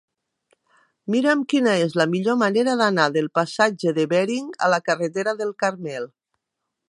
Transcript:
Mira'm quina és la millor manera d'anar del passatge de Bering a la carretera del Carmel.